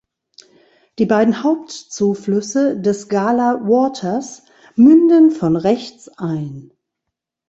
Die beiden Hauptzuflüsse des Gala Waters münden von rechts ein.